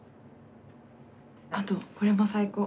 あとこれも最高。